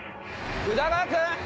宇田川君！